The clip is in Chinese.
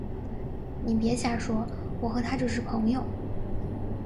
你别瞎说，我和他只是朋友